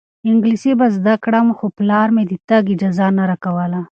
انګلیسي به زده کړم خو پلار مې د تګ اجازه نه راکوله.